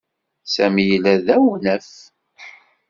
Sami yella d awnaf.